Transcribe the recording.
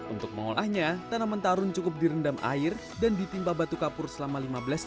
untuk mengolahnya tanaman tarum cukup direndam air dan ditimpa batu kapur selama lima tahun